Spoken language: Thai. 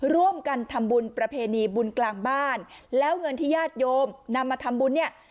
ร่วมกันทำบุญประเพณีบุญกลางบ้านแล้วเงินที่ญาติโยมนำมาทำบุญเนี่ย